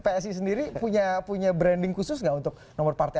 psi sendiri punya branding khusus nggak untuk nomor partai